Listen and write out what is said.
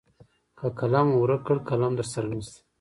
که قلم مو ورک کړ قلم درسره نشته .